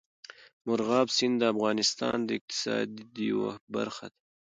مورغاب سیند د افغانستان د اقتصاد یوه برخه ده.